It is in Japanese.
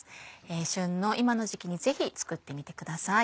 旬の今の時期にぜひ作ってみてください。